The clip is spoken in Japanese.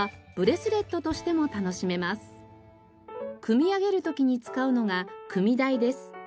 組み上げる時に使うのが組み台です。